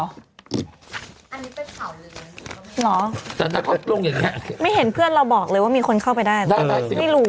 อันนี้เป็นข่าวเลยหรอไม่เห็นเพื่อนเราบอกเลยว่ามีคนเข้าไปได้ไม่รู้